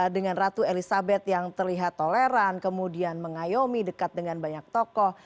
dengan ratu elizabeth yang terlihat toleran kemudian mengayomi dekat dengan banyak tokoh